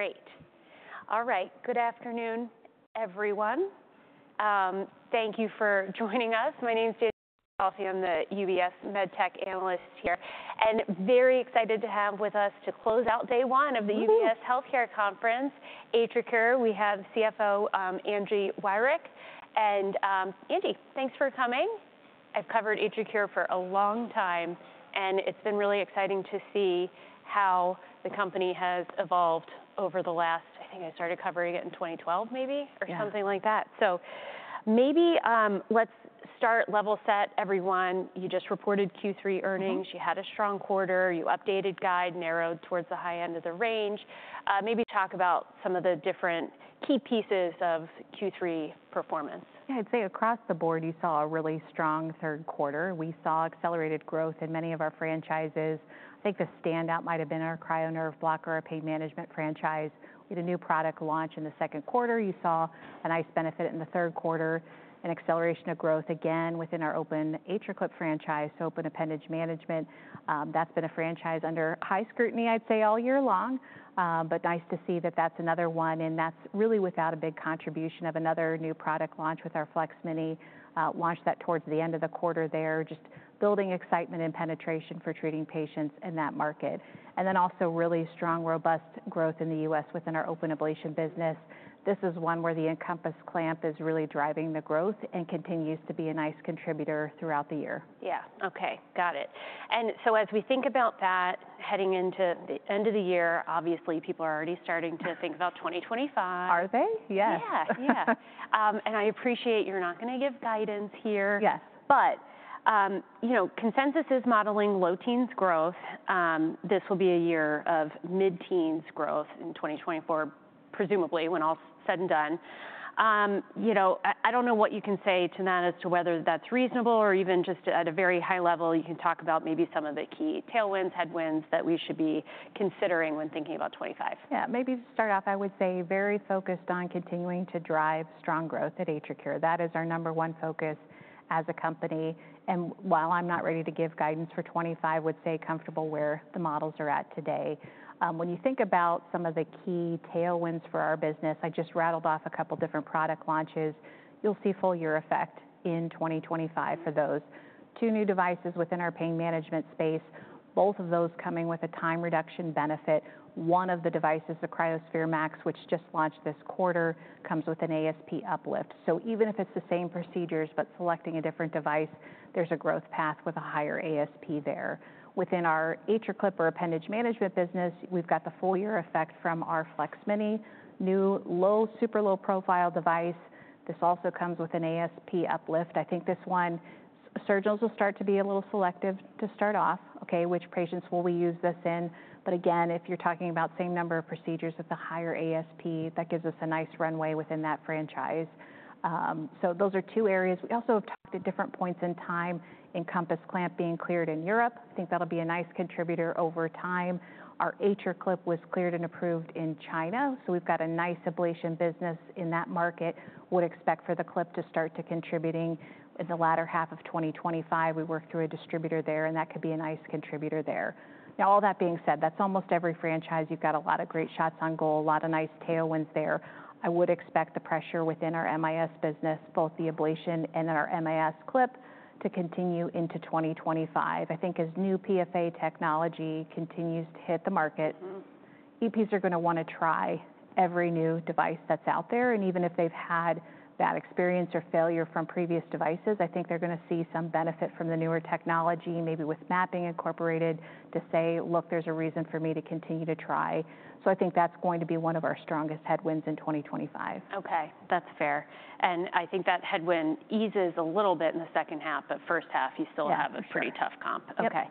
Okay, great. All right, good afternoon, everyone. Thank you for joining us. My name's Danielle Antalffy. I'm the UBS MedTech analyst here, and very excited to have with us to close out day one of the UBS Healthcare Conference, AtriCure. We have CFO Angie Wirick, and Angie, thanks for coming. I've covered AtriCure for a long time, and it's been really exciting to see how the company has evolved over the last, I think I started covering it in 2012 maybe, or something like that, so maybe let's start level set, everyone. You just reported Q3 earnings. You had a strong quarter. You updated guide, narrowed towards the high end of the range. Maybe talk about some of the different key pieces of Q3 performance. Yeah, I'd say across the board you saw a really strong third quarter. We saw accelerated growth in many of our franchises. I think the standout might have been our cryo-nerve blocker, our pain management franchise. We had a new product launch in the second quarter. You saw a nice benefit in the third quarter, an acceleration of growth again within our open AtriClip franchise, so open appendage management. That's been a franchise under high scrutiny, I'd say, all year long, but nice to see that that's another one. And that's really without a big contribution of another new product launch with our FLEX-Mini. Launched that towards the end of the quarter there, just building excitement and penetration for treating patients in that market. And then also really strong, robust growth in the U.S. within our open ablation business. This is one where the EnCompass Clamp is really driving the growth and continues to be a nice contributor throughout the year. Yeah, okay, got it. And so as we think about that, heading into the end of the year, obviously people are already starting to think about 2025. Are they? Yes. Yeah, yeah, and I appreciate you're not going to give guidance here, but you know consensus is modeling low teens growth. This will be a year of mid-teens growth in 2024, presumably when all's said and done. You know I don't know what you can say to that as to whether that's reasonable or even just at a very high level. You can talk about maybe some of the key tailwinds, headwinds that we should be considering when thinking about 2025. Yeah, maybe to start off, I would say very focused on continuing to drive strong growth at AtriCure. That is our number one focus as a company, and while I'm not ready to give guidance for 2025, I would say comfortable where the models are at today. When you think about some of the key tailwinds for our business, I just rattled off a couple different product launches. You'll see full year effect in 2025 for those. Two new devices within our pain management space, both of those coming with a time reduction benefit. One of the devices, the cryoSPHERE MAX, which just launched this quarter, comes with an ASP uplift. So even if it's the same procedures, but selecting a different device, there's a growth path with a higher ASP there. Within our AtriClip or appendage management business, we've got the full year effect from our FLEX-Mini, new low, super low profile device. This also comes with an ASP uplift. I think this one, surgeons will start to be a little selective to start off, okay, which patients will we use this in? But again, if you're talking about same number of procedures with a higher ASP, that gives us a nice runway within that franchise. So those are two areas. We also have talked at different points in time, EnCompass Clamp being cleared in Europe. I think that'll be a nice contributor over time. Our AtriClip was cleared and approved in China, so we've got a nice ablation business in that market. Would expect for the Clip to start to contribute in the latter half of 2025. We work through a distributor there, and that could be a nice contributor there. Now, all that being said, that's almost every franchise. You've got a lot of great shots on goal, a lot of nice tailwinds there. I would expect the pressure within our MIS business, both the ablation and then our MIS Clip, to continue into 2025. I think as new PFA technology continues to hit the market, EPs are going to want to try every new device that's out there. And even if they've had bad experience or failure from previous devices, I think they're going to see some benefit from the newer technology, maybe with mapping incorporated, to say, look, there's a reason for me to continue to try. So I think that's going to be one of our strongest headwinds in 2025. Okay, that's fair. And I think that headwind eases a little bit in the second half, but first half you still have a pretty tough comp. Yes. Okay,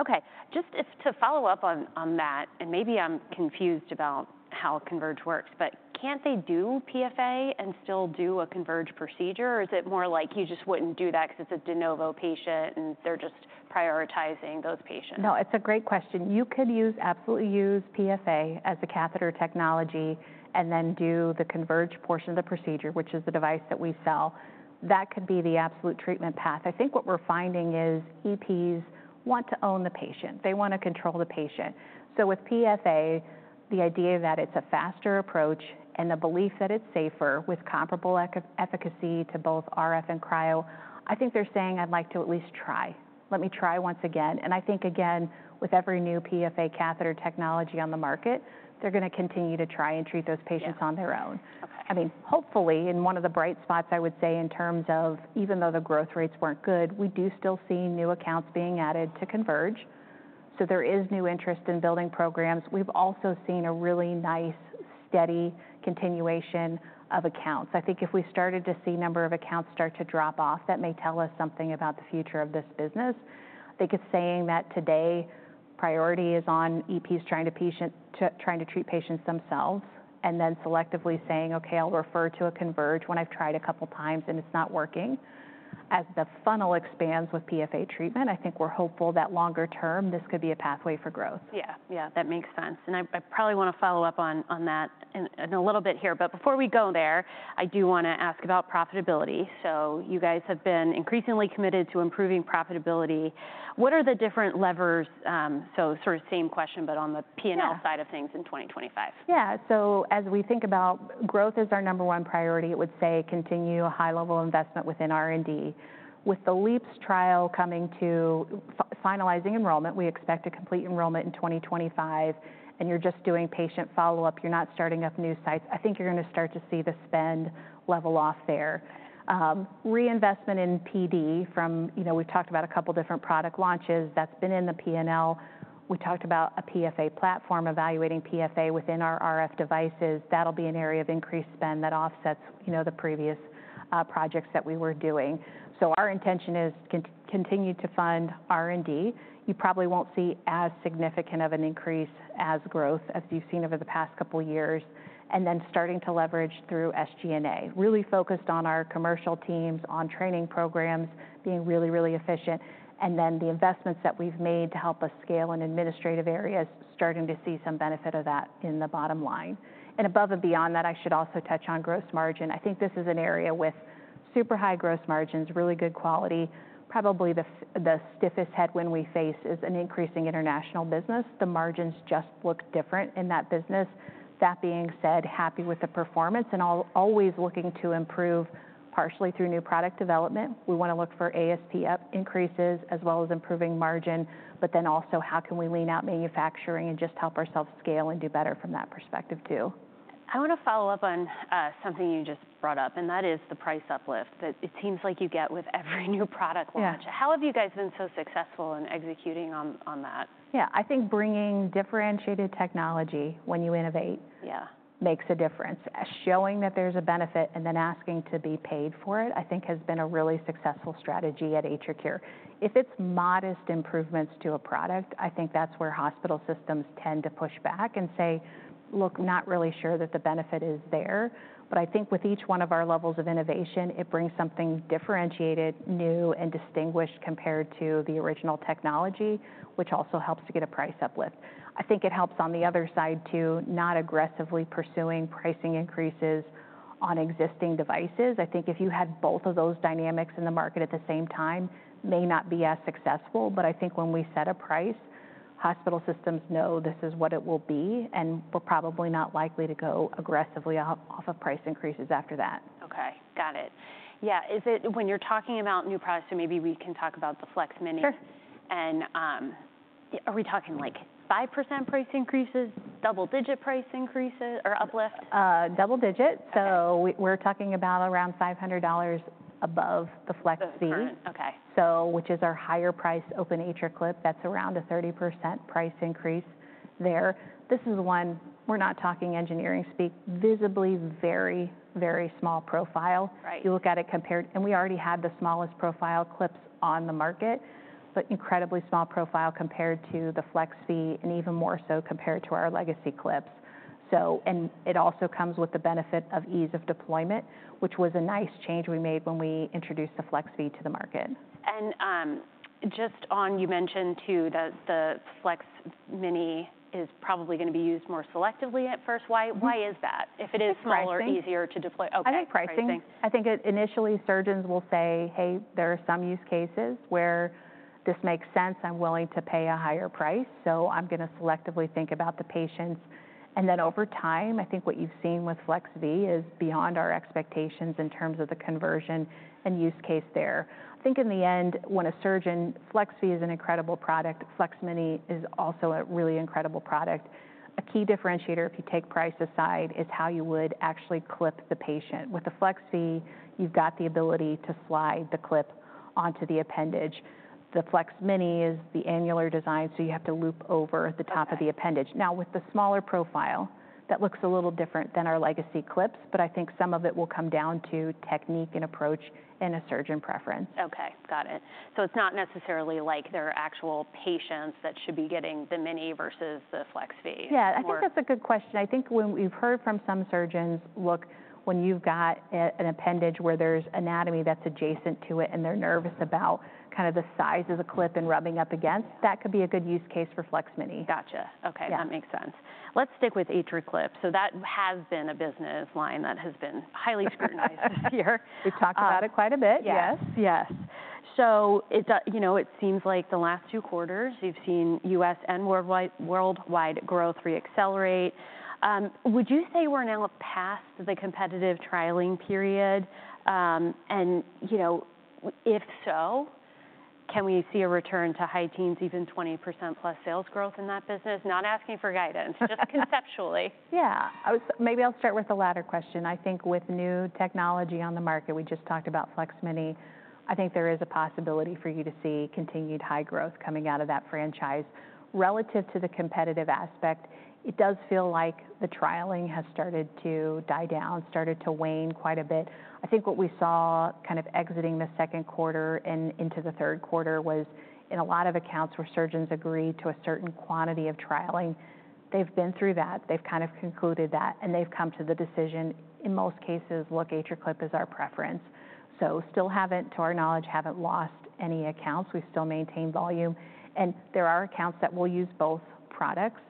okay. Just to follow up on that, and maybe I'm confused about how CONVERGE works, but can't they do PFA and still do a CONVERGE procedure? Or is it more like you just wouldn't do that because it's a de novo patient and they're just prioritizing those patients? No, it's a great question. You could absolutely use PFA as a catheter technology and then do the converged portion of the procedure, which is the device that we sell. That could be the absolute treatment path. I think what we're finding is EPs want to own the patient. They want to control the patient. So with PFA, the idea that it's a faster approach and the belief that it's safer with comparable efficacy to both RF and cryo, I think they're saying, I'd like to at least try. Let me try once again. And I think, again, with every new PFA catheter technology on the market, they're going to continue to try and treat those patients on their own. I mean, hopefully, in one of the bright spots, I would say in terms of, even though the growth rates weren't good, we do still see new accounts being added to CONVERGE. So there is new interest in building programs. We've also seen a really nice, steady continuation of accounts. I think if we started to see a number of accounts start to drop off, that may tell us something about the future of this business. I think it's saying that today priority is on EPs trying to treat patients themselves, and then selectively saying, okay, I'll refer to a CONVERGE when I've tried a couple times and it's not working. As the funnel expands with PFA treatment, I think we're hopeful that longer term this could be a pathway for growth. Yeah, yeah, that makes sense, and I probably want to follow up on that in a little bit here, but before we go there, I do want to ask about profitability, so you guys have been increasingly committed to improving profitability. What are the different levers? So, sort of same question, but on the P&L side of things in 2025. Yeah, so as we think about growth as our number one priority, it would say continue a high level of investment within R&D. With the LeAAPS trial coming to finalizing enrollment, we expect to complete enrollment in 2025, and you're just doing patient follow-up. You're not starting up new sites. I think you're going to start to see the spend level off there. Reinvestment in PD from, you know, we've talked about a couple different product launches that's been in the P&L. We talked about a PFA platform evaluating PFA within our RF devices. That'll be an area of increased spend that offsets the previous projects that we were doing, so our intention is to continue to fund R&D. You probably won't see as significant of an increase as growth as you've seen over the past couple of years. And then starting to leverage through SG&A, really focused on our commercial teams, on training programs being really, really efficient. And then the investments that we've made to help us scale in administrative areas, starting to see some benefit of that in the bottom line. And above and beyond that, I should also touch on gross margin. I think this is an area with super high gross margins, really good quality. Probably the stiffest headwind we face is an increasing international business. The margins just look different in that business. That being said, happy with the performance and always looking to improve partially through new product development. We want to look for ASP increases as well as improving margin, but then also how can we lean out manufacturing and just help ourselves scale and do better from that perspective too. I want to follow up on something you just brought up, and that is the price uplift that it seems like you get with every new product launch. How have you guys been so successful in executing on that? Yeah, I think bringing differentiated technology when you innovate makes a difference. Showing that there's a benefit and then asking to be paid for it, I think has been a really successful strategy at AtriCure. If it's modest improvements to a product, I think that's where hospital systems tend to push back and say, look, not really sure that the benefit is there. But I think with each one of our levels of innovation, it brings something differentiated, new, and distinguished compared to the original technology, which also helps to get a price uplift. I think it helps on the other side to not aggressively pursuing pricing increases on existing devices. I think if you had both of those dynamics in the market at the same time, it may not be as successful, but I think when we set a price, hospital systems know this is what it will be, and we're probably not likely to go aggressively off of price increases after that. Okay, got it. Yeah, is it when you're talking about new products, so maybe we can talk about the FLEX-Mini, and are we talking like 5% price increases, double digit price increases, or uplift? Double digit. So we're talking about around $500 above the FLEX-V, which is our higher-priced open AtriClip. That's around a 30% price increase there. This is one, we're not talking engineering speak, visibly very, very small profile. You look at it compared, and we already had the smallest profile clips on the market, but incredibly small profile compared to the FLEX-V and even more so compared to our legacy clips. And it also comes with the benefit of ease of deployment, which was a nice change we made when we introduced the FLEX-V to the market. Just on, you mentioned too that the FLEX-Mini is probably going to be used more selectively at first. Why is that? If it is smaller, easier to deploy. I think pricing. I think initially surgeons will say, "Hey, there are some use cases where this makes sense. I'm willing to pay a higher price, so I'm going to selectively think about the patients." And then over time, I think what you've seen with FLEX-V is beyond our expectations in terms of the conversion and use case there. I think in the end, when a surgeon, FLEX-V is an incredible product. FLEX-Mini is also a really incredible product. A key differentiator, if you take price aside, is how you would actually clip the patient. With the FLEX-V, you've got the ability to slide the clip onto the appendage. The FLEX-Mini is the annular design, so you have to loop over the top of the appendage. Now, with the smaller profile, that looks a little different than our legacy clips, but I think some of it will come down to technique and approach and a surgeon preference. Okay, got it. So it's not necessarily like there are actual patients that should be getting the Mini versus the FLEX-V. Yeah, I think that's a good question. I think when we've heard from some surgeons, look, when you've got an appendage where there's anatomy that's adjacent to it and they're nervous about kind of the size of the clip and rubbing up against, that could be a good use case for FLEX-Mini. Gotcha. Okay, that makes sense. Let's stick with AtriClip. So that has been a business line that has been highly scrutinized this year. We've talked about it quite a bit, yes, yes. So you know it seems like the last two quarters you've seen U.S. and worldwide growth reaccelerate. Would you say we're now past the competitive trialing period? And you know if so, can we see a return to high teens, even 20% plus sales growth in that business? Not asking for guidance, just conceptually. Yeah, maybe I'll start with the latter question. I think with new technology on the market, we just talked about FLEX-Mini. I think there is a possibility for you to see continued high growth coming out of that franchise. Relative to the competitive aspect, it does feel like the trialing has started to die down, started to wane quite a bit. I think what we saw kind of exiting the second quarter and into the third quarter was in a lot of accounts where surgeons agreed to a certain quantity of trialing. They've been through that. They've kind of concluded that, and they've come to the decision in most cases, look, AtriClip is our preference. So still haven't, to our knowledge, haven't lost any accounts. We still maintain volume. There are accounts that will use both products,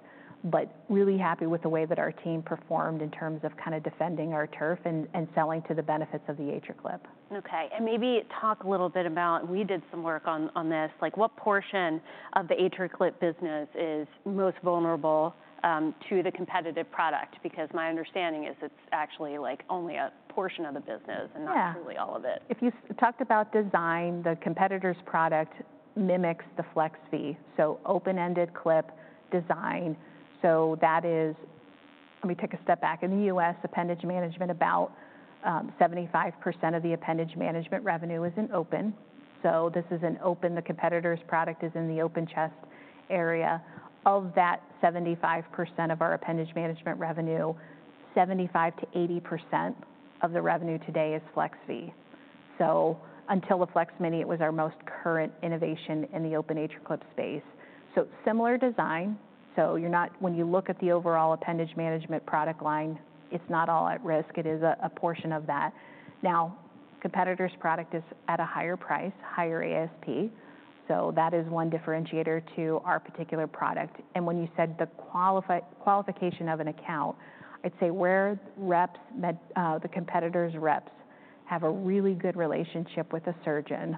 but really happy with the way that our team performed in terms of kind of defending our turf and selling to the benefits of the AtriClip. Okay, and maybe talk a little bit about, we did some work on this, like what portion of the AtriClip business is most vulnerable to the competitive product? Because my understanding is it's actually like only a portion of the business and not truly all of it. Yeah, if you talked about design, the competitor's product mimics the FLEX-V, so open-ended clip design. So that is, let me take a step back. In the U.S., appendage management, about 75% of the appendage management revenue is in open. So this is an open, the competitor's product is in the open chest area. Of that 75% of our appendage management revenue, 75%-80% of the revenue today is FLEX-V. So until the FLEX-Mini, it was our most current innovation in the open AtriClip space. So similar design. So when you look at the overall appendage management product line, it's not all at risk. It is a portion of that. Now, competitor's product is at a higher price, higher ASP. So that is one differentiator to our particular product. When you said the qualification of an account, I'd say where reps, the competitor's reps have a really good relationship with a surgeon,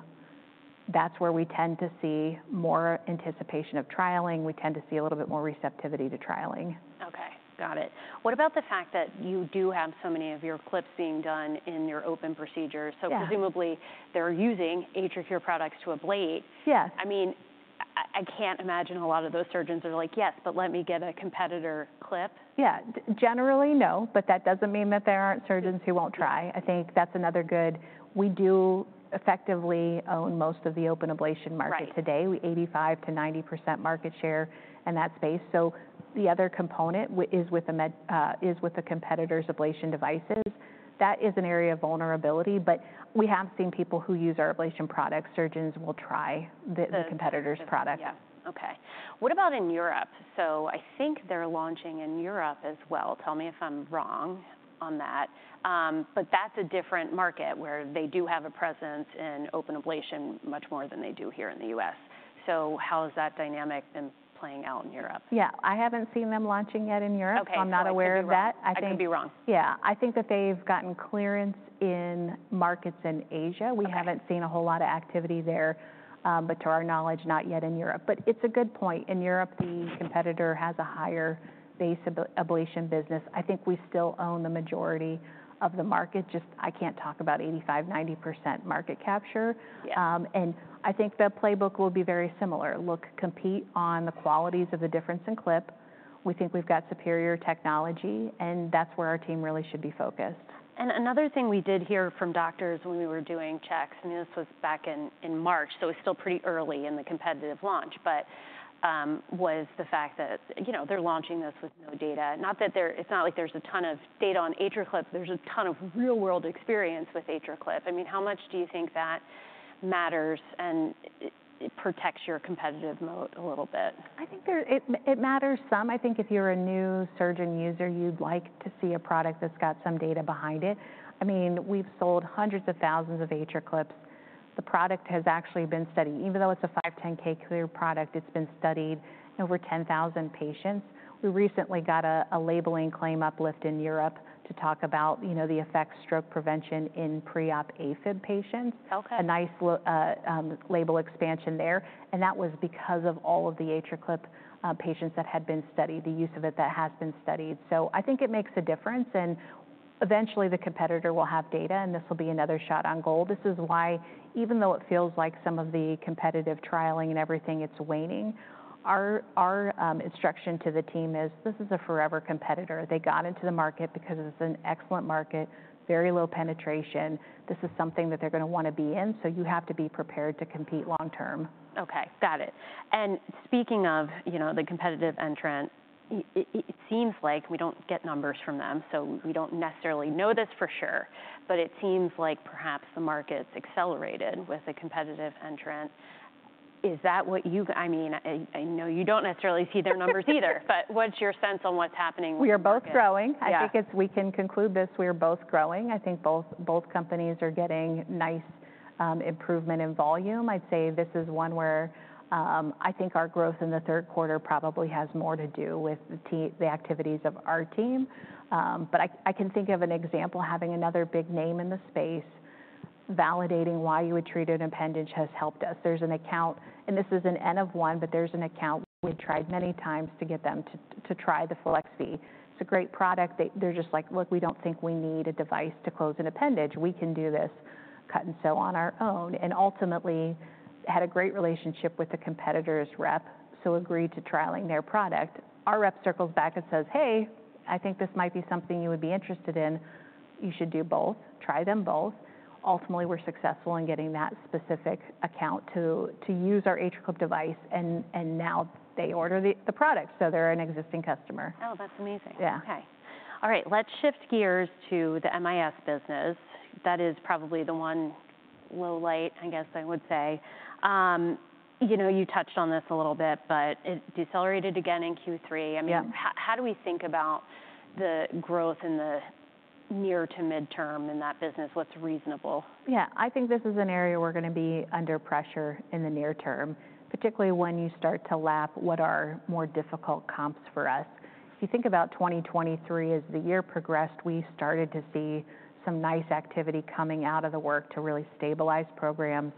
that's where we tend to see more anticipation of trialing. We tend to see a little bit more receptivity to trialing. Okay, got it. What about the fact that you do have so many of your clips being done in your open procedures? So presumably they're using AtriCure products to ablate. I mean, I can't imagine a lot of those surgeons are like, yes, but let me get a competitor clip. Yeah, generally no, but that doesn't mean that there aren't surgeons who won't try. I think that's another good, we do effectively own most of the open ablation market today, 85%-90% market share in that space. So the other component is with the competitor's ablation devices. That is an area of vulnerability, but we have seen people who use our ablation products. Surgeons will try the competitor's product. Yeah, okay. What about in Europe? So I think they're launching in Europe as well. Tell me if I'm wrong on that. But that's a different market where they do have a presence in open ablation much more than they do here in the U.S. So how has that dynamic been playing out in Europe? Yeah, I haven't seen them launching yet in Europe. I'm not aware of that. Okay, I could be wrong. Yeah, I think that they've gotten clearance in markets in Asia. We haven't seen a whole lot of activity there, but to our knowledge, not yet in Europe. But it's a good point. In Europe, the competitor has a higher base ablation business. I think we still own the majority of the market. Just, I can't talk about 85%-90% market capture. And I think the playbook will be very similar. Look, compete on the qualities of the difference in clip. We think we've got superior technology, and that's where our team really should be focused. And another thing we did hear from doctors when we were doing checks, and this was back in March, so it was still pretty early in the competitive launch, but was the fact that, you know, they're launching this with no data. Not that it's not like there's a ton of data on AtriClip. There's a ton of real-world experience with AtriClip. I mean, how much do you think that matters and protects your competitive moat a little bit? I think it matters some. I think if you're a new surgeon user, you'd like to see a product that's got some data behind it. I mean, we've sold hundreds of thousands of AtriClips. The product has actually been studied. Even though it's a 510(k) clear product, it's been studied in over 10,000 patients. We recently got a labeling claim uplift in Europe to talk about, you know, the effects of stroke prevention in pre-op AFib patients. A nice label expansion there, and that was because of all of the AtriClip patients that had been studied, the use of it that has been studied. So I think it makes a difference, and eventually the competitor will have data, and this will be another shot on goal. This is why, even though it feels like some of the competitive trialing and everything, it's waning. Our instruction to the team is this is a forever competitor. They got into the market because it's an excellent market, very low penetration. This is something that they're going to want to be in. So you have to be prepared to compete long-term. Okay, got it. And speaking of, you know, the competitive entrant, it seems like we don't get numbers from them. So we don't necessarily know this for sure, but it seems like perhaps the market's accelerated with the competitive entrant. Is that what you, I mean, I know you don't necessarily see their numbers either, but what's your sense on what's happening with AtriClip? We are both growing. I think we can conclude this. We are both growing. I think both companies are getting nice improvement in volume. I'd say this is one where I think our growth in the third quarter probably has more to do with the activities of our team. But I can think of an example having another big name in the space validating why you would treat an appendage has helped us. There's an account, and this is an N of one, but there's an account we tried many times to get them to try the FLEX-V. It's a great product. They're just like, look, we don't think we need a device to close an appendage. We can do this cut and sew on our own. And ultimately had a great relationship with the competitor's rep, so agreed to trialing their product. Our rep circles back and says, hey, I think this might be something you would be interested in. You should do both. Try them both. Ultimately, we're successful in getting that specific account to use our AtriClip device, and now they order the product. So they're an existing customer. Oh, that's amazing. Okay. All right, let's shift gears to the MIS business. That is probably the one low light, I guess I would say. You know, you touched on this a little bit, but it decelerated again in Q3. I mean, how do we think about the growth in the near to midterm in that business? What's reasonable? Yeah, I think this is an area we're going to be under pressure in the near term, particularly when you start to lap what are more difficult comps for us. If you think about 2023 as the year progressed, we started to see some nice activity coming out of the work to really stabilize programs,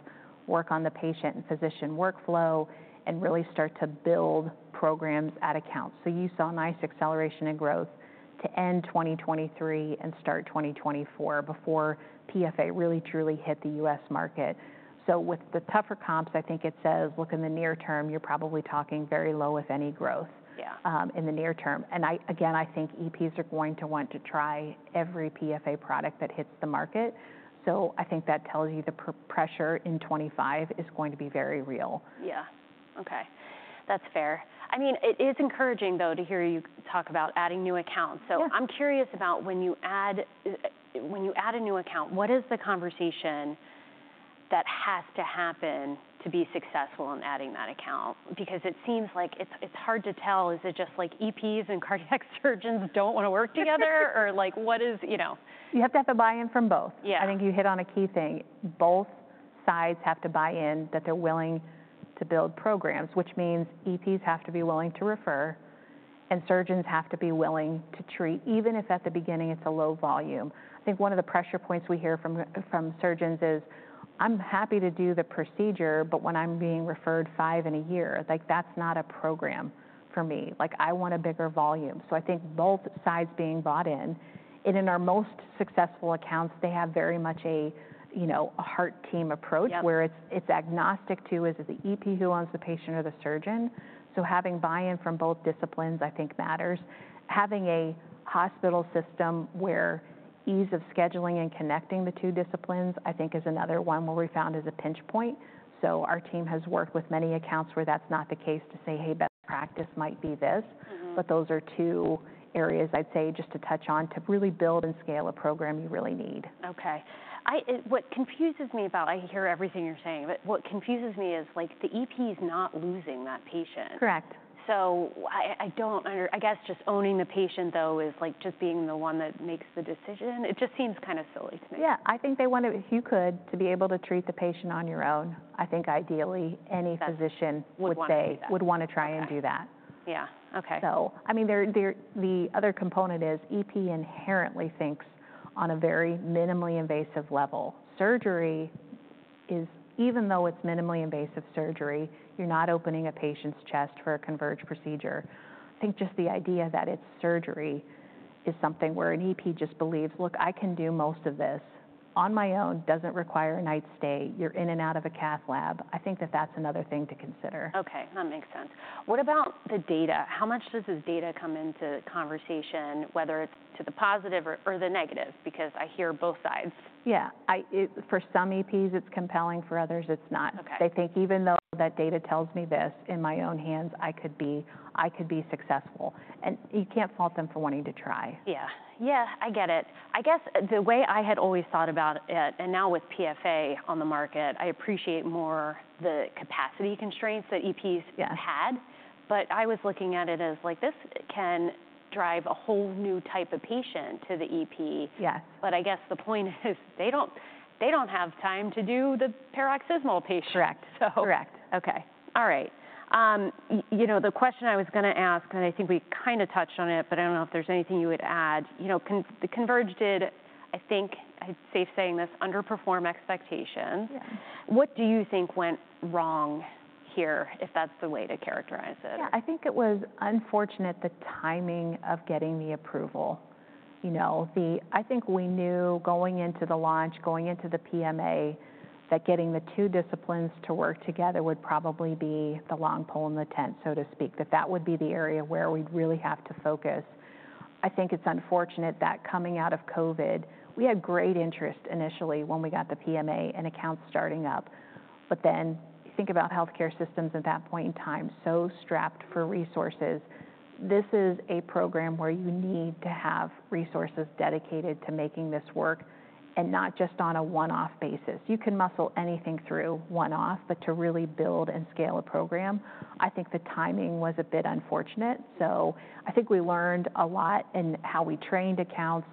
work on the patient and physician workflow, and really start to build programs at accounts. So you saw nice acceleration and growth to end 2023 and start 2024 before PFA really, truly hit the U.S. market. So with the tougher comps, I think it says, look, in the near term, you're probably talking very low if any growth in the near term. And again, I think EPs are going to want to try every PFA product that hits the market. So I think that tells you the pressure in 2025 is going to be very real. Yeah, okay. That's fair. I mean, it is encouraging though to hear you talk about adding new accounts. So I'm curious about when you add a new account, what is the conversation that has to happen to be successful in adding that account? Because it seems like it's hard to tell. Is it just like EPs and cardiac surgeons don't want to work together? Or like what is, you know? You have to have the buy-in from both. I think you hit on a key thing. Both sides have to buy in that they're willing to build programs, which means EPs have to be willing to refer, and surgeons have to be willing to treat, even if at the beginning it's a low volume. I think one of the pressure points we hear from surgeons is, "I'm happy to do the procedure, but when I'm being referred five in a year, like that's not a program for me." Like I want a bigger volume. So I think both sides being bought in. In our most successful accounts, they have very much a, you know, a heart team approach where it's agnostic to is it the EP who owns the patient or the surgeon. So having buy-in from both disciplines, I think matters. Having a hospital system where ease of scheduling and connecting the two disciplines, I think, is another one where we found is a pinch point. So our team has worked with many accounts where that's not the case to say, "Hey, best practice might be this." But those are two areas I'd say just to touch on to really build and scale a program you really need. Okay. What confuses me about, I hear everything you're saying, but what confuses me is like the EP's not losing that patient. Correct. So I don't, I guess just owning the patient though is like just being the one that makes the decision. It just seems kind of silly to me. Yeah, I think they want to, if you could, to be able to treat the patient on your own. I think ideally any physician would say, would want to try and do that. Yeah, okay. So, I mean, the other component is EP inherently thinks on a very minimally invasive level. Surgery is, even though it's minimally invasive surgery, you're not opening a patient's chest for a CONVERGE procedure. I think just the idea that it's surgery is something where an EP just believes, "look, I can do most of this on my own," doesn't require a night stay. You're in and out of a cath lab. I think that that's another thing to consider. Okay, that makes sense. What about the data? How much does this data come into conversation, whether it's to the positive or the negative? Because I hear both sides. Yeah, for some EPs it's compelling, for others it's not. They think even though that data tells me this in my own hands, I could be successful, and you can't fault them for wanting to try. Yeah, yeah, I get it. I guess the way I had always thought about it, and now with PFA on the market, I appreciate more the capacity constraints that EPs had. But I was looking at it as like this can drive a whole new type of patient to the EP. But I guess the point is they don't have time to do the paroxysmal patient. Correct, correct. Okay, all right. You know, the question I was going to ask, and I think we kind of touched on it, but I don't know if there's anything you would add. You know, the CONVERGE did, I think I'd say saying this, underperform expectations. What do you think went wrong here, if that's the way to characterize it? Yeah, I think it was unfortunate the timing of getting the approval. You know, I think we knew going into the launch, going into the PMA, that getting the two disciplines to work together would probably be the long pole in the tent, so to speak. That that would be the area where we'd really have to focus. I think it's unfortunate that coming out of COVID, we had great interest initially when we got the PMA and accounts starting up. But then you think about healthcare systems at that point in time, so strapped for resources. This is a program where you need to have resources dedicated to making this work and not just on a one-off basis. You can muscle anything through one-off, but to really build and scale a program, I think the timing was a bit unfortunate. So, I think we learned a lot in how we trained accounts.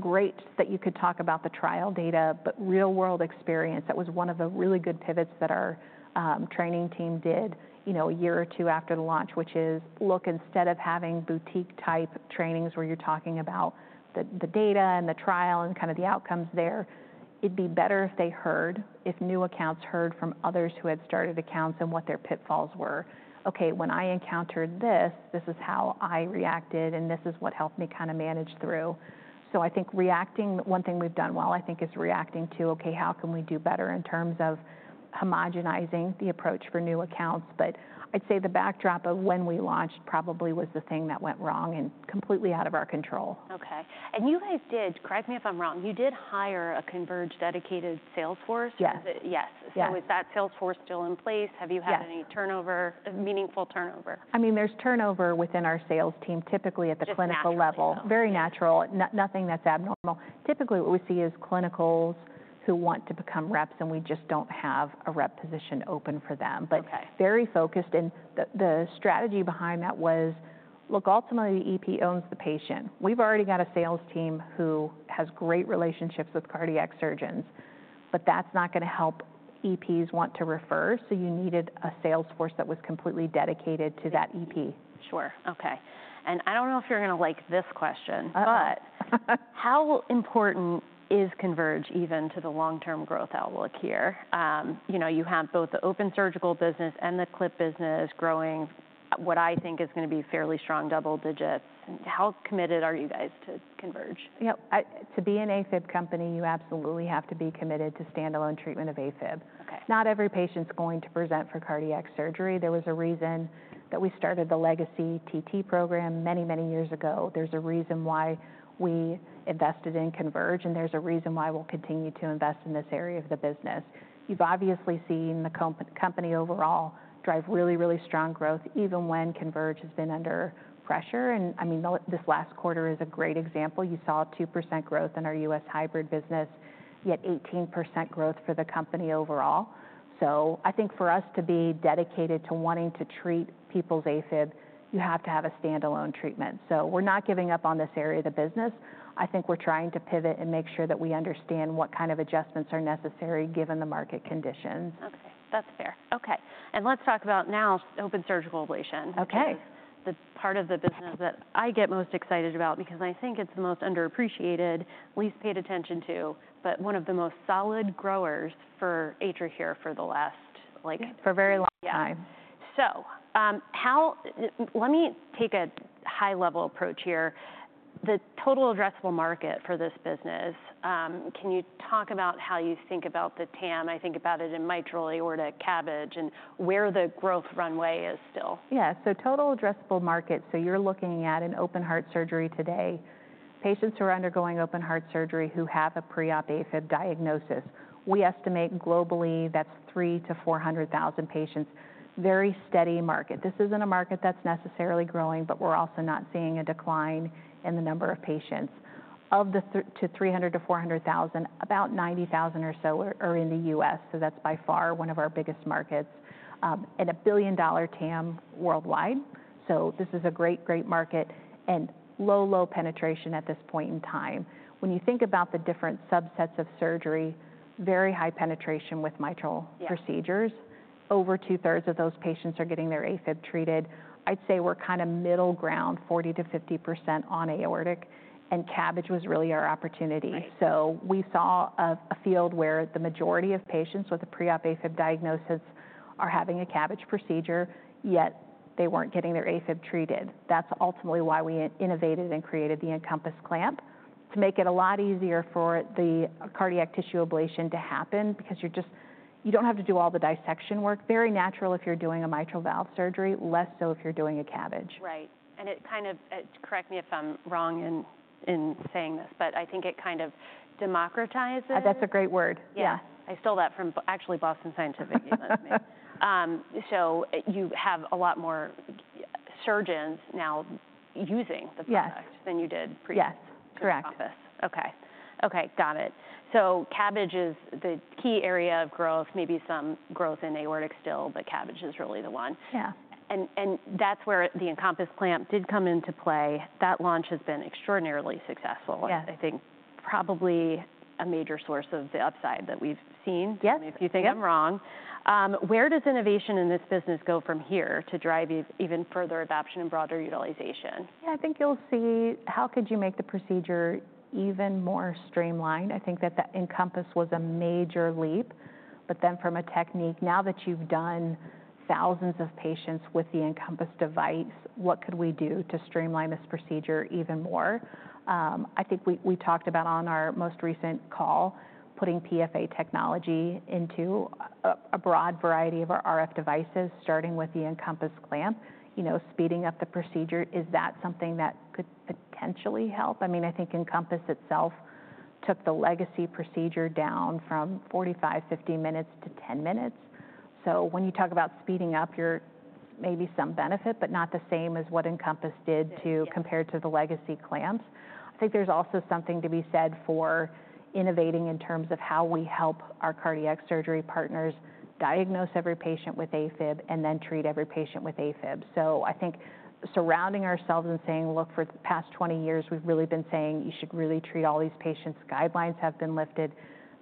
Great that you could talk about the trial data, but real-world experience, that was one of the really good pivots that our training team did, you know, a year or two after the launch, which is look, instead of having boutique-type trainings where you're talking about the data and the trial and kind of the outcomes there, it'd be better if they heard, if new accounts heard from others who had started accounts and what their pitfalls were. Okay, when I encountered this, this is how I reacted and this is what helped me kind of manage through. So, I think reacting, one thing we've done well, I think is reacting to, okay, how can we do better in terms of homogenizing the approach for new accounts? But I'd say the backdrop of when we launched probably was the thing that went wrong and completely out of our control. Okay. And you guys did, correct me if I'm wrong, you did hire a CONVERGE-dedicated sales force? Yes. Yes, so is that sales force still in place? Have you had any turnover, meaningful turnover? I mean, there's turnover within our sales team, typically at the clinical level. Very natural. Nothing that's abnormal. Typically what we see is clinicals who want to become reps and we just don't have a rep position open for them. But very focused. And the strategy behind that was, look, ultimately the EP owns the patient. We've already got a sales team who has great relationships with cardiac surgeons, but that's not going to help EPs want to refer. So you needed a sales force that was completely dedicated to that EP. Sure. Okay. And I don't know if you're going to like this question, but how important is CONVERGE even to the long-term growth outlook here? You know, you have both the open surgical business and the clip business growing, what I think is going to be fairly strong double digits. How committed are you guys to CONVERGE? Yep. To be an AFib company, you absolutely have to be committed to standalone treatment of AFib. Not every patient's going to present for cardiac surgery. There was a reason that we started the legacy TT program many, many years ago. There's a reason why we invested in CONVERGE and there's a reason why we'll continue to invest in this area of the business. You've obviously seen the company overall drive really, really strong growth even when CONVERGE has been under pressure, and I mean, this last quarter is a great example. You saw 2% growth in our U.S. hybrid business, yet 18% growth for the company overall. So I think for us to be dedicated to wanting to treat people's AFib, you have to have a standalone treatment. So we're not giving up on this area of the business. I think we're trying to pivot and make sure that we understand what kind of adjustments are necessary given the market conditions. Okay, that's fair. Okay. And let's talk about now open surgical ablation. Okay. The part of the business that I get most excited about because I think it's the most underappreciated, least paid attention to, but one of the most solid growers for AtriCure for the last, like, for a very long time. So let me take a high-level approach here. The total addressable market for this business, can you talk about how you think about the TAM? I think about it in mitral, aortic, CABG, and where the growth runway is still. Yeah, so total addressable market. So you're looking at an open heart surgery today. Patients who are undergoing open heart surgery who have a pre-op AFib diagnosis. We estimate globally that's three to four hundred thousand patients. Very steady market. This isn't a market that's necessarily growing, but we're also not seeing a decline in the number of patients. Of the three to four hundred thousand, about ninety thousand or so are in the U.S. So that's by far one of our biggest markets, and a $1 billion TAM worldwide. So this is a great, great market and low, low penetration at this point in time. When you think about the different subsets of surgery, very high penetration with mitral procedures. Over two thirds of those patients are getting their AFib treated. I'd say we're kind of middle ground, 40%-50% on aortic. CABG was really our opportunity. We saw a field where the majority of patients with a pre-op AFib diagnosis are having a CABG procedure, yet they weren't getting their AFib treated. That's ultimately why we innovated and created the EnCompass Clamp to make it a lot easier for the cardiac tissue ablation to happen because you're just, you don't have to do all the dissection work. Very natural if you're doing a mitral valve surgery, less so if you're doing a CABG. Right. And it kind of, correct me if I'm wrong in saying this, but I think it kind of democratizes. That's a great word. Yeah. I stole that from, actually, Boston Scientific. So you have a lot more surgeons now using the product than you did pre-op. Yes, correct. Okay. Okay, got it. So CABG is the key area of growth, maybe some growth in aortic still, but CABG is really the one. Yeah. And that's where the EnCompass Clamp did come into play. That launch has been extraordinarily successful. I think probably a major source of the upside that we've seen. If you think I'm wrong? Where does innovation in this business go from here to drive even further adoption and broader utilization? Yeah, I think you'll see how could you make the procedure even more streamlined. I think that the Encompass was a major leap, but then from a technique, now that you've done thousands of patients with the Encompass device, what could we do to streamline this procedure even more? I think we talked about on our most recent call, putting PFA technology into a broad variety of our RF devices, starting with the EnCompass Clamp, you know, speeding up the procedure. Is that something that could potentially help? I mean, I think Encompass itself took the legacy procedure down from 45-50 minutes to 10 minutes. So when you talk about speeding up, you're maybe some benefit, but not the same as what Encompass did compared to the legacy clamps. I think there's also something to be said for innovating in terms of how we help our cardiac surgery partners diagnose every patient with AFib and then treat every patient with AFib. So I think surrounding ourselves and saying, look, for the past twenty years we've really been saying you should really treat all these patients, guidelines have been lifted.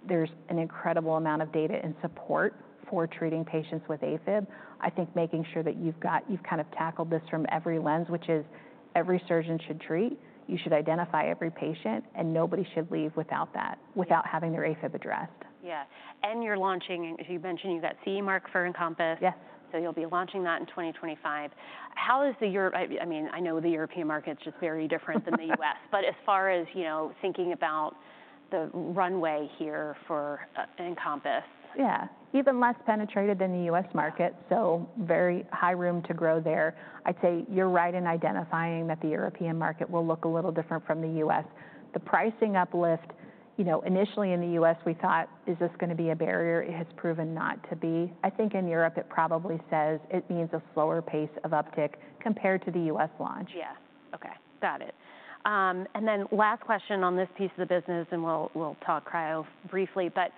There's an incredible amount of data and support for treating patients with AFib. I think making sure that you've got, you've kind of tackled this from every lens, which is every surgeon should treat, you should identify every patient, and nobody should leave without that, without having their AFib addressed. Yeah. And you're launching, as you mentioned, you've got CE mark for Encompass. Yes. You'll be launching that in 2025. How is the, I mean, I know the European market's just very different than the U.S., but as far as, you know, thinking about the runway here for Encompass? Yeah. Even less penetrated than the U.S. market. So very high room to grow there. I'd say you're right in identifying that the European market will look a little different from the U.S. The pricing uplift, you know, initially in the U.S. we thought, is this going to be a barrier? It has proven not to be. I think in Europe it probably says it means a slower pace of uptick compared to the U.S. launch. Yeah. Okay. Got it. And then last question on this piece of the business, and we'll talk cryo briefly, but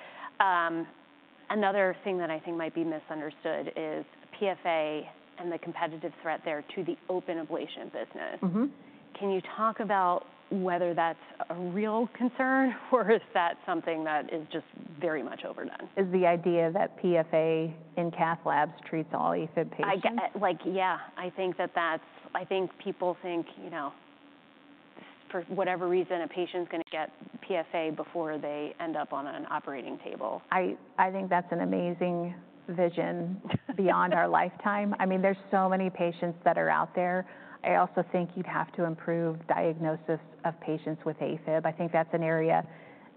another thing that I think might be misunderstood is PFA and the competitive threat there to the open ablation business. Can you talk about whether that's a real concern or is that something that is just very much overdone? Is the idea that PFA in cath labs treats all AFib patients? Like, yeah, I think people think, you know, for whatever reason a patient's going to get PFA before they end up on an operating table. I think that's an amazing vision beyond our lifetime. I mean, there's so many patients that are out there. I also think you'd have to improve diagnosis of patients with AFib. I think that's an area,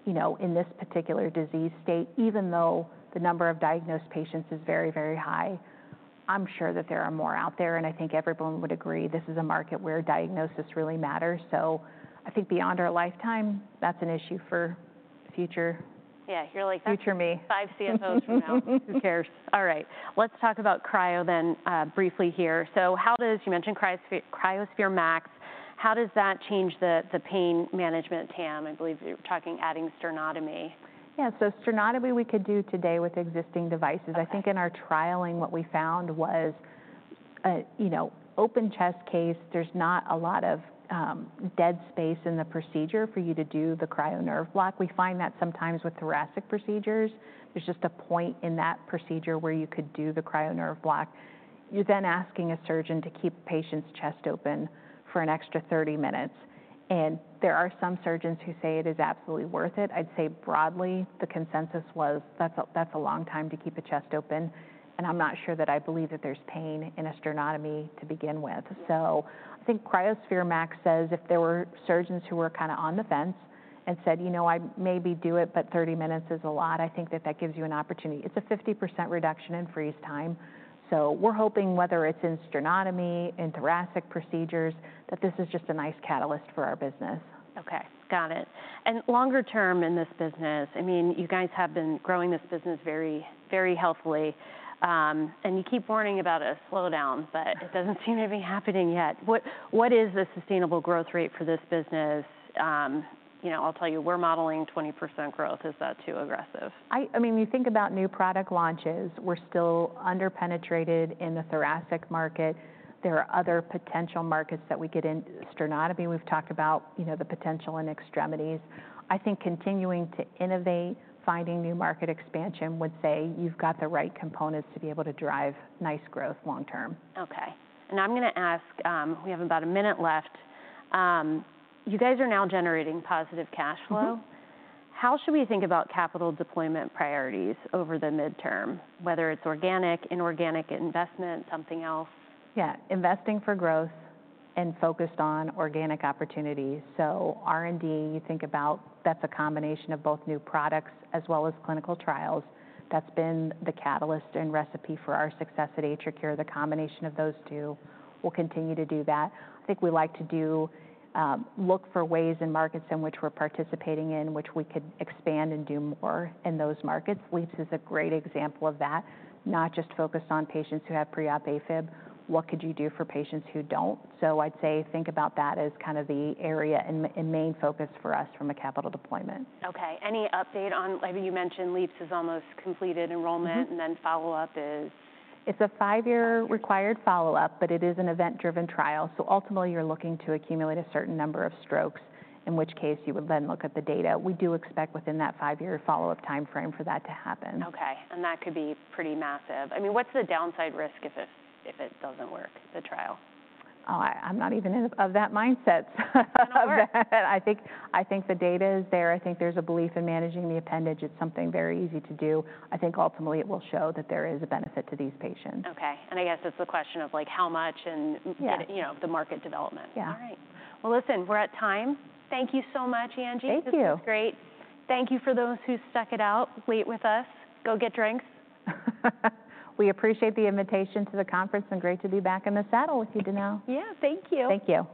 you know, in this particular disease state, even though the number of diagnosed patients is very, very high. I'm sure that there are more out there and I think everyone would agree this is a market where diagnosis really matters. So I think beyond our lifetime, that's an issue for future. Yeah, you're like five CFOs from now. Who cares? All right. Let's talk about cryo then briefly here. So how does, you mentioned cryoSPHERE MAX, how does that change the pain management TAM? I believe you're talking adding sternotomy. Yeah, so sternotomy we could do today with existing devices. I think in our trialing what we found was, you know, open chest case, there's not a lot of dead space in the procedure for you to do the cryo nerve block. We find that sometimes with thoracic procedures, there's just a point in that procedure where you could do the cryo nerve block. You're then asking a surgeon to keep a patient's chest open for an extra thirty minutes. And there are some surgeons who say it is absolutely worth it. I'd say broadly the consensus was that's a long time to keep a chest open. And I'm not sure that I believe that there's pain in a sternotomy to begin with. So I think cryoSPHERE MAX says if there were surgeons who were kind of on the fence and said, you know, I maybe do it, but 30 minutes is a lot. I think that that gives you an opportunity. It's a 50% reduction in freeze time. So we're hoping whether it's in sternotomy, in thoracic procedures, that this is just a nice catalyst for our business. Okay. Got it. And longer term in this business, I mean, you guys have been growing this business very, very healthily. And you keep warning about a slowdown, but it doesn't seem to be happening yet. What is the sustainable growth rate for this business? You know, I'll tell you, we're modeling 20% growth. Is that too aggressive? I mean, you think about new product launches, we're still underpenetrated in the thoracic market. There are other potential markets that we get in sternotomy. We've talked about, you know, the potential in extremities. I think continuing to innovate, finding new market expansion would say you've got the right components to be able to drive nice growth long term. Okay. And I'm going to ask, we have about a minute left. You guys are now generating positive cash flow. How should we think about capital deployment priorities over the midterm? Whether it's organic, inorganic investment, something else? Yeah, investing for growth and focused on organic opportunities. So R&D, you think about that's a combination of both new products as well as clinical trials. That's been the catalyst and recipe for our success at AtriCure. The combination of those two. We'll continue to do that. I think we like to look for ways in markets in which we're participating in, which we could expand and do more in those markets. LeAAPS is a great example of that. Not just focused on patients who have pre-op AFib. What could you do for patients who don't? So I'd say think about that as kind of the area and main focus for us from a capital deployment. Okay. Any update on, I mean, you mentioned LeAAPS is almost completed enrollment and then follow-up is? It's a five-year required follow-up, but it is an event-driven trial. So ultimately you're looking to accumulate a certain number of strokes, in which case you would then look at the data. We do expect within that five-year follow-up timeframe for that to happen. Okay. And that could be pretty massive. I mean, what's the downside risk if it doesn't work, the trial? Oh, I'm not even of that mindset. I think the data is there. I think there's a belief in managing the appendage. It's something very easy to do. I think ultimately it will show that there is a benefit to these patients. Okay. And I guess it's the question of like how much and, you know, the market development. Yeah. All right. Well, listen, we're at time. Thank you so much, Angie. Thank you. This was great. Thank you for those who stuck it out late with us. Go get drinks. We appreciate the invitation to the conference, and great to be back in the saddle with you, Danielle. Yeah, thank you. Thank you.